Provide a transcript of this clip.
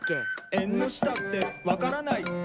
「えんのしたってわからないえん」